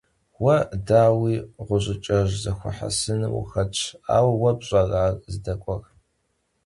Vue, daui, ğuş'ıç'ej zexuehesınım vuxetş; aue vue pş'ere ar zdek'uer?